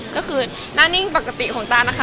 ก็คือหน้านิ่งปกติของตานะคะ